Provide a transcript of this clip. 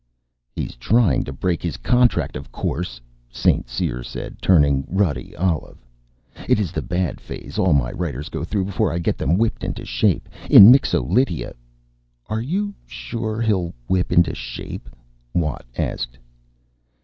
"He is trying to break his contract, of course," St. Cyr said, turning ruddy olive. "It is the bad phase all my writers go through before I get them whipped into shape. In Mixo Lydia " "Are you sure he'll whip into shape?" Watt asked.